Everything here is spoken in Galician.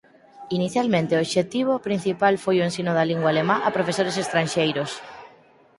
Inicialmente o obxectivo principal foi o ensino da lingua alemá a profesores estranxeiros.